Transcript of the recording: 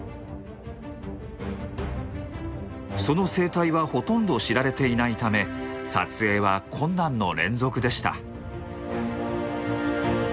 その生態はほとんど知られていないため撮影は困難の連続でした。